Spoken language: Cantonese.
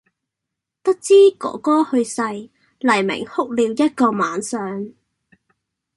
得知“哥哥”去世，黎明哭了一個晚上。